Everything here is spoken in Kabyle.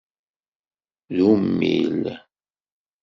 D ummil.